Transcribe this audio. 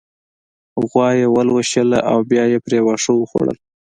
غوا يې ولوشله او بيا يې پرې واښه وخوړل